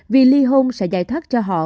vì ly hôn sẽ giải thoát cho họ